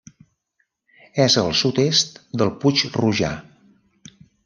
És al sud-est del Puig Rojà.